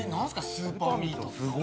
スーパーミートって。